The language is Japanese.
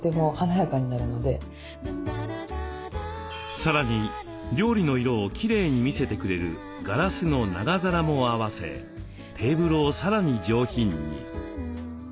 さらに料理の色をきれいに見せてくれるガラスの長皿も合わせテーブルをさらに上品に。